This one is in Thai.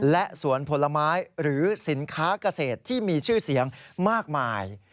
และสวนผลไม้หรือสินค้าเกษตรที่มีชื่อเสียงมากมาย